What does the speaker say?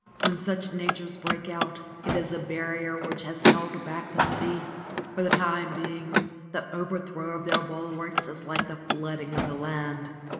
When such natures break out it is a barrier which has held back the sea. For the time being the overthrow of their bulwarks is like the flood ing of the land.